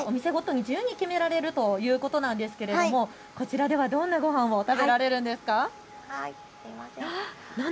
お店ごとに食事は自由に決められるということなんですが、こちらではどんなごはんが食べられるんですか。